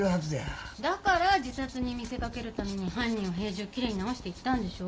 だから自殺に見せかけるために犯人は部屋中きれいに直していったんでしょ。